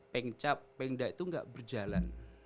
pengcap pengda itu gak berjalan